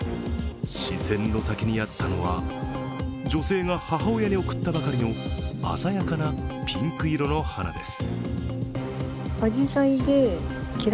視線の先にあったのは女性が母親に贈ったばかりの鮮やかなピンク色の花です。